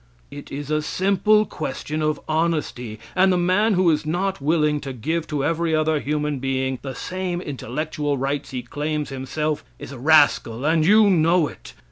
It is a simple question of honesty; and the man who is not willing to give to every other human being the same intellectual rights he claims himself is a rascal, and you know it.